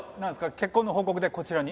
結婚の報告でこちらに？